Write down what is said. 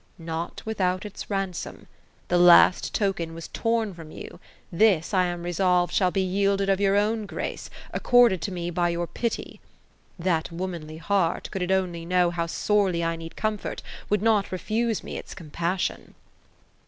"Not without its ransom. The last token was torn from you; this, I am resolved, shall be yielded of your own grace, accorded to me by your pity. That womanly heart, could it only know how sorely I need comfort, would not refuse me its compassion.